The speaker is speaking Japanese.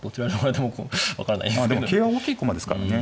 でも桂は大きい駒ですからね。